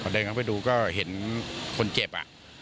เดินเข้าไปดูก็เห็นคนเจ็บ